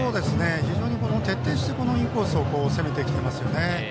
非常に徹底してインコースを攻めてきていますね。